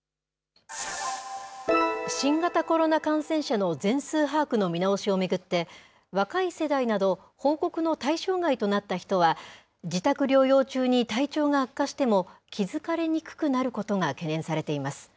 新型コロナ感染者の全数把握の見直しを巡って、若い世代など報告の対象外となった人は、自宅療養中に体調が悪化しても、気付かれにくくなることが懸念されています。